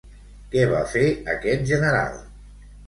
Què va fer aquest general?